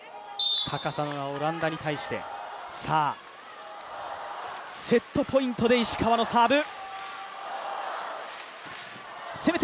高さのあるオランダに対してセットポイントで石川のサーブ。